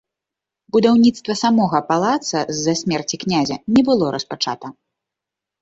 Будаўніцтва самога палаца з-за смерці князя не было распачата.